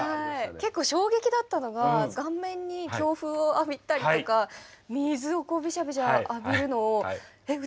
結構衝撃だったのが顔面に強風を浴びたりとか水をこうびしゃびしゃ浴びるのをえっ？